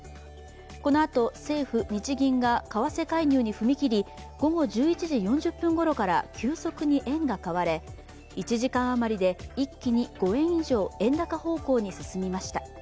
このあと、政府・日銀が為替介入に踏み切り午後１１時４０分ごろから急速に円が買われ１時間あまりで一気に５円以上円高方向に進みました。